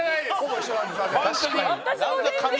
確かに。